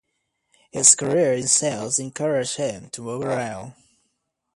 His career in sales encouraged him to move around.